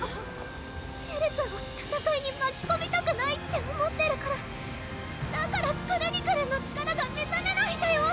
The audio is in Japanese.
エルちゃんを戦いにまきこみたくないって思ってるからだからクルニクルンの力が目覚めないんだよ！